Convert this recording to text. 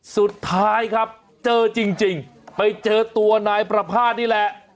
สุดท้ายครับเจอจริงไปเจอตัวนายประภาษณ์นี่แหละ